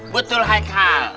betul hai kal